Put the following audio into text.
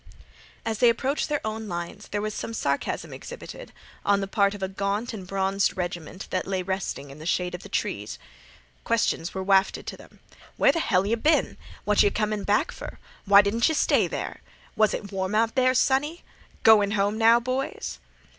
As they approached their own lines there was some sarcasm exhibited on the part of a gaunt and bronzed regiment that lay resting in the shade of the trees. Questions were wafted to them. "Where th' hell yeh been?" "What yeh comin' back fer?" "Why didn't yeh stay there?" "Was it warm out there, sonny?" "Goin' home now, boys?"